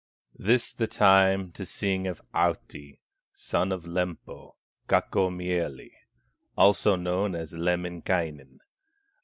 This the time to sing of Ahti, Son of Lempo, Kaukomieli, Also known as Lemminkainen.